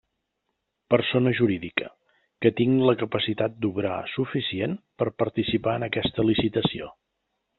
Persona jurídica: que tinc la capacitat d'obrar suficient per participar en aquesta licitació.